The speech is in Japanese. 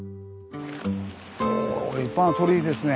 おお立派な鳥居ですね。